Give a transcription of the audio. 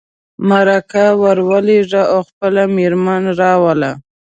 مرکه ور ولېږه او خپله مېرمن راوله.